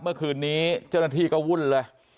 เมื่อคืนนี้เจ้าหน้าที่ก็วุ่นเลย